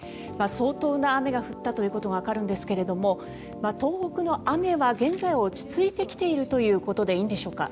相当な雨が降ったということがわかるんですが東北の雨は現在は落ち着いてきているということでいいんでしょうか。